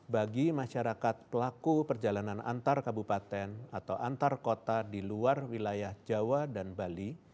bagi masyarakat pelaku perjalanan antar kabupaten atau antar kota di luar wilayah jawa dan bali